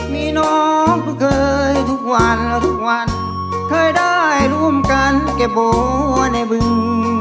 มีน้องก็เคยทุกวันทุกวันเคยได้ร่วมกันเก็บบัวในบึง